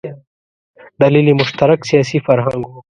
دلیل یې مشترک سیاسي فرهنګ و.